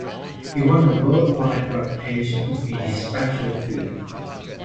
He won a worldwide reputation in his special field.